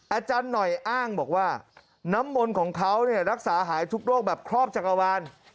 อาจารย์หน่อยอ้างบอกว่าน้ำมนต์ของเขารักษาหายทุกโรคแบบครอบจักรวาล